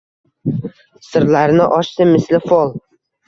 Sirlarini ochdi misli fol: